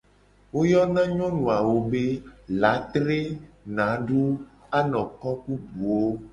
Wo yona nyonu awo be : latre, nadu, anoko, ku buwo.